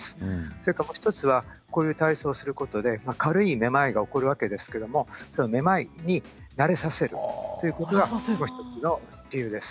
それからもう一つはこういう体操をすることで軽いめまいが起こるわけですけどもそのめまいに慣れさせるということがもう一つの理由です。